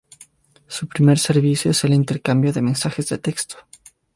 Su primer servicio es el intercambio de mensajes de texto.